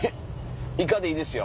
イカでいいですよ。